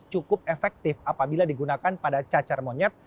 cukup efektif apabila digunakan pada cacar monyet